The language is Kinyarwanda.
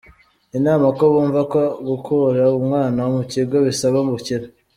Inama ku bumva ko gukura umwana mu kigo bisaba ubukire.